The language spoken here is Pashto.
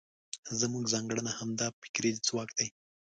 زموږ ځانګړنه همدا فکري ځواک دی.